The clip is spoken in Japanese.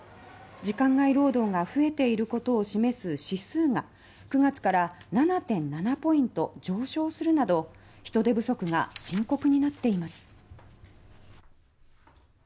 時間外労働が増えていることを示す指数が９月から７．７ポイント上昇するなど人手不足が深刻になっています。